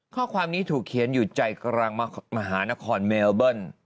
ข้อความนี้ถูกเขียนอยู่ใจกลางมหานครเมลเบิ้ล